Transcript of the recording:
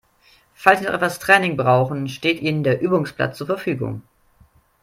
Falls Sie noch etwas Training brauchen, steht Ihnen der Übungsplatz zur Verfügung.